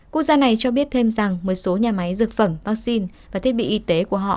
quốc gia này cho biết thêm rằng một số nhà máy dược phẩm vaccine và thiết bị y tế của họ